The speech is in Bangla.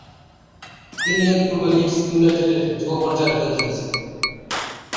তিনি এর পূর্বে লিডস ইউনাইটেডের যুব পর্যায়ের হয়ে খেলেছেন।